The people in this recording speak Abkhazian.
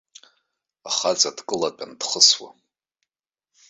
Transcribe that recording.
Ахаҵа дкылатәаны дхысуам.